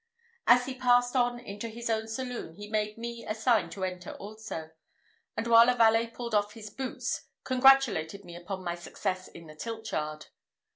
As he passed on into his own saloon, he made me a sign to enter also; and while a valet pulled off his boots, congratulated me upon my success in the tilt yard.